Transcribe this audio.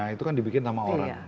itu kan dibikin sama orang